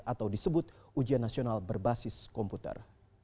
atau disebut ujian nasional berbasis komputer